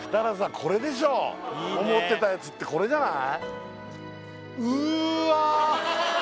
これでしょ思ってたやつってこれじゃない？